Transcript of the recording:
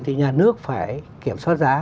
thì nhà nước phải kiểm soát giá